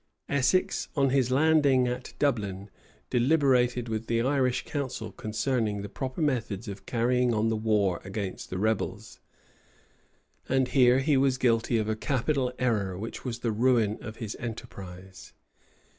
Essex, on his landing at Dublin, deliberated with the Irish council concerning the proper methods of carrying on the war against the rebels; and here he was guilty of a capital error, which was the ruin of his enterprise.